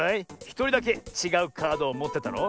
ひとりだけちがうカードをもってたろ？